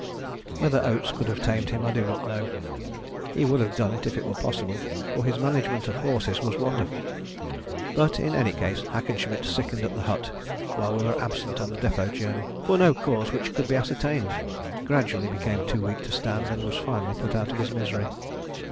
Whether Oates could have tamed him I do not know: he would have done it if it were possible, for his management of horses was wonderful. But in any case Hackenschmidt sickened at the hut while we were absent on the Depôt journey, for no cause which could be ascertained, gradually became too weak to stand, and was finally put out of his misery.